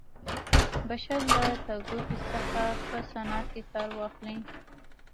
بشر له تودوخې څخه په صنعت کې کار واخلي.